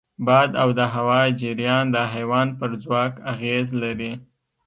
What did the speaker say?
باد او د هوا جریان د حیوان پر ځواک اغېز لري.